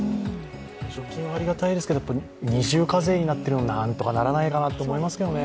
直近ありがたいですけど、二重課税になっているのはなんとかならないかなって思いますけどね。